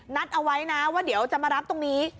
นัดเอาไว้นะว่าเดี๋ยวจะมารับตรงนี้